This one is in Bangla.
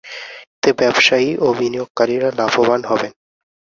এতে ব্যবসায়ী ও বিনিয়োগকারীরা লাভবান হবেন।